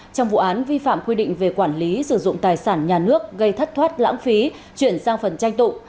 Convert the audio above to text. trong vụ án vi phạm quy định về quản lý sử dụng tài sản nhà nước gây thất thoát lãng phí chuyển sang phần tranh tụ